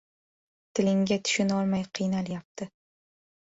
Tilingga tushunolmay qiynalyapti.